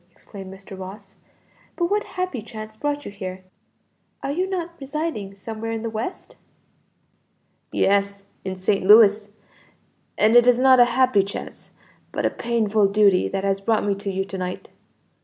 exclaimed Mr. Ross; "but what happy chance brought you here? Are you not residing somewhere in the West?" "Yes; in St. Louis; and it is not a happy chance, but a painful duty that has brought me to you to night."